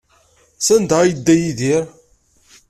Sanda ay yedda Yidir?